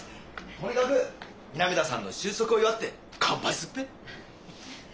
とにかく南田さんの就職を祝って乾杯すっぺ。